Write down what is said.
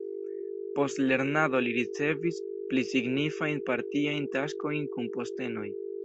Post lernado li ricevis pli signifajn partiajn taskojn kun postenoj.